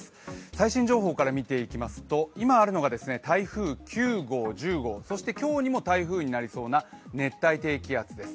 最新情報から見ていきますと、今あるのが台風９号、１０号、そして今日にも台風になりそうな熱帯低気圧です。